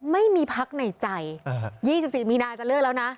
ไม่มีพักในใจ๒๔มีนาจะเลิกแล้วนะ